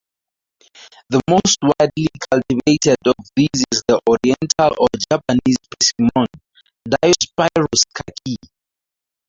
The most widely cultivated of these is the Oriental or Japanese persimmon, "Diospyros kaki".